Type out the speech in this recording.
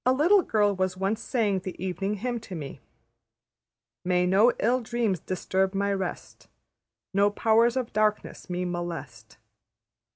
A little girl was once saying the Evening Hymn to me, ``May no ill dreams disturb my rest, No powers of darkness me molest.''